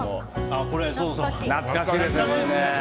これ、懐かしいですね。